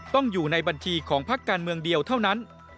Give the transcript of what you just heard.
ต้องอยู่ในบัญชีของพักการเมืองเดียวเท่านั้น